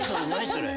それ。